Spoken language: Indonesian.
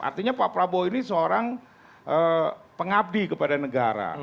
artinya pak prabowo ini seorang pengabdi kepada negara